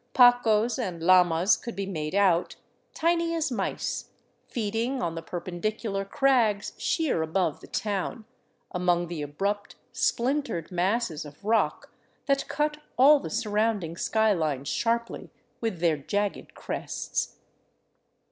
Pacos and llamas could be made out, tiny as mice, feeding on the perpendicular crags sheer above the town, among the abrupt splintered masses of rock that cut all the surrounding sky line sharply with their jagged crests.